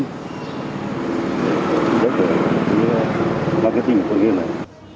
để phụ trách về marketing của con game này